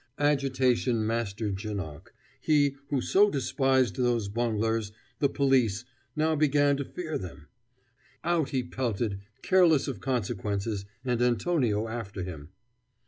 Agitation mastered Janoc; he, who so despised those bunglers, the police, now began to fear them. Out he pelted, careless of consequences, and Antonio after him.